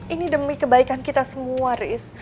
ini demi kebaikan kita semua riz